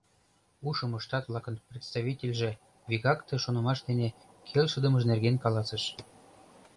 Ушымо Штат-влакын представительже вигак ты шонымаш дене келшыдымыж нерген каласыш.